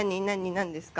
何ですか？